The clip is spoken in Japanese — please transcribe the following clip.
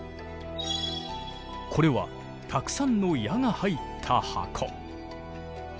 これはたくさんの矢が入った箱。